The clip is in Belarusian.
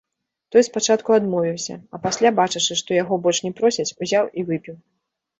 Той спачатку адмовіўся, а пасля, бачачы, што яго больш не просяць, узяў і выпіў.